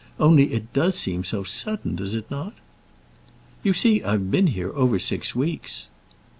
Only it does seem so sudden; does it not?" "You see, I've been here over six weeks."